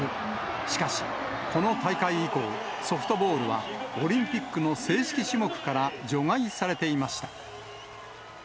しかし、この大会以降、ソフトボールは、オリンピックの正式種目から除外されていました。